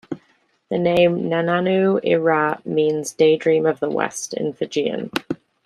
The name "Nananu-I-Ra" means "Daydream of the West" in Fijian.